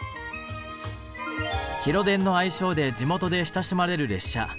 「広電」の愛称で地元で親しまれる列車。